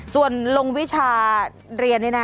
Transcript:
ส่วนลงวิชาเรียนนี่นะ